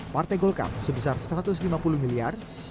partai golkak sebesar rp satu ratus lima puluh miliar